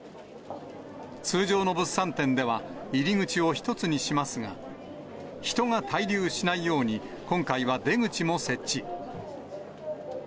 通常の物産展では、入り口を１つにしますが、人が滞留しないように今回は出口も設置。